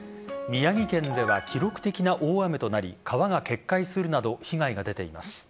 宮城県では記録的な大雨となり川が決壊するなど被害が出ています。